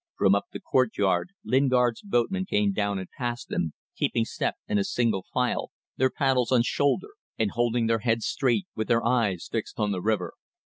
From up the courtyard Lingard's boatmen came down and passed them, keeping step in a single file, their paddles on shoulder, and holding their heads straight with their eyes fixed on the river.